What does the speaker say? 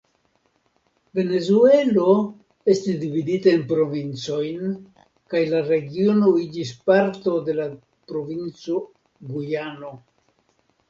Venezuelo estis dividita en provincojn kaj la regiono iĝis parto de la provinco Gujano.